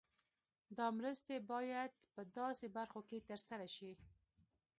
دا مرستې باید په داسې برخو کې تر سره شي.